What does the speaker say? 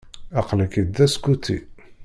Aql-ak-id d askuti.